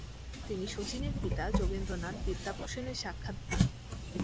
তিনি শচীনের পিতা যোগেন্দ্রনাথ বিদ্যাভূষণের সাক্ষাৎ পান।